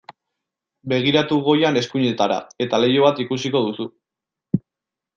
Begiratu goian eskuinetara eta leiho bat ikusiko duzu.